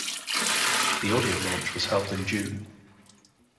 The audio launch was held in June.